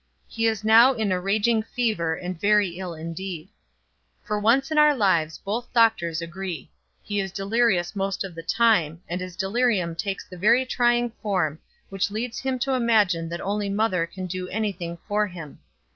He is now in a raging fever, and very ill indeed. For once in their lives both doctors agree. He is delirious most of the time; and his delirium takes the very trying form which leads him to imagine that only mother can do any thing for him.